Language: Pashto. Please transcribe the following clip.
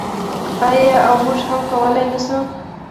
آیا او موږ هم کولی نشو؟